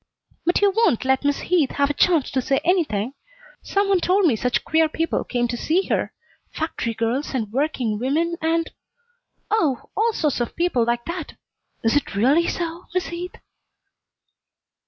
"But you won't let Miss Heath have a chance to say anything! Some one told me such queer people came to see her. Factory girls and working women and oh all sorts of people like that. Is it really so, Miss Heath?"